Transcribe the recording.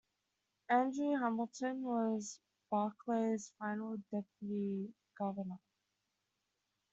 Andrew Hamilton was Barclay's final deputy governor.